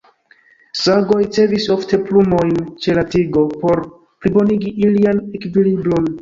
Sagoj ricevis ofte plumojn ĉe la tigo por plibonigi ilian ekvilibron.